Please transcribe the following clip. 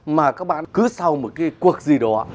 mà các bạn cứ sau một cuộc gì đó